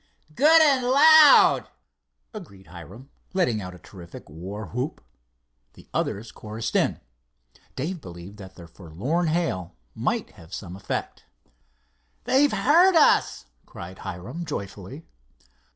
"Good and loud!" agreed Hiram, letting out a terrific warwhoop. The others chorused in. Dave believed that their forlorn hail might have some effect. "They've heard us," cried Hiram, joyfully.